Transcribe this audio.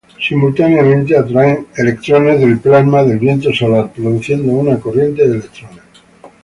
Simultáneamente atraen electrones del plasma del viento solar, produciendo una corriente de electrones.